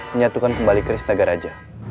menyatukan kembali kristaga raja